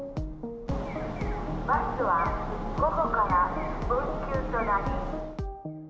バスは午後から運休となり。